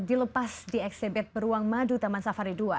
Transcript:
dilepas di eksibit beruang madu taman safari dua